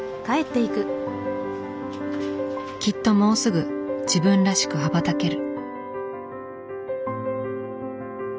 きっともうすぐ自分らしく羽ばたける。